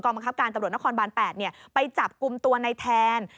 บังคับการตำรวจนครบาน๘ไปจับกลุ่มตัวในแทน